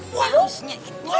harusnya gak bisa